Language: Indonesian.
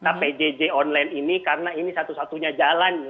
kpjj online ini karena ini satu satunya jalan